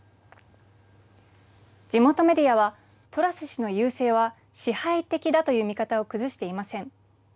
地元メディアはトラス氏の優勢は支配的だという見方を崩していません。